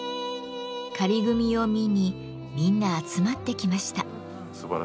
仮組みを見にみんな集まってきました。